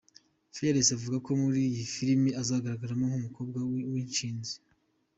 Fearless avuga ko muri iyi film azagaragaramo nk'umukobwa w'inshinzi.